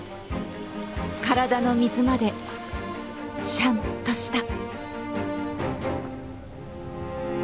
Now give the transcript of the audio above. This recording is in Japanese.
体の水までしゃんとした。